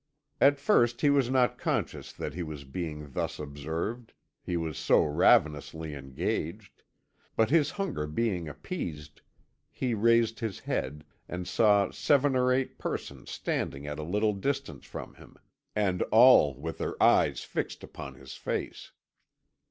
At first he was not conscious that he was being thus observed, he was so ravenously engaged; but his hunger being appeased, he raised his head, and saw seven or eight persons standing at a little distance from him, and all with their eyes fixed upon his face.